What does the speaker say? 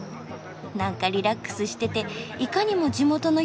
なんかリラックスしてていかにも地元の人っぽい。